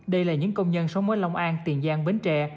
đây là những công nhân sống ở long an tiền giang bến tre